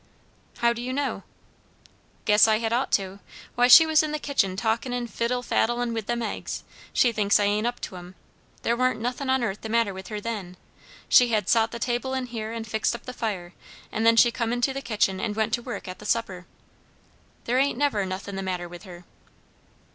"How do you know?" "Guess I had ought to! Why, she was in the kitchen talkin' and fiddle faddlin' with them eggs; she thinks I ain't up to 'em. There warn't nothin' on earth the matter with her then. She had sot the table in here and fixed up the fire, and then she come in to the kitchen and went to work at the supper. There ain't never nothin' the matter with her."